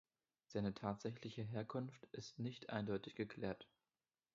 Seine tatsächliche Herkunft ist nicht eindeutig geklärt.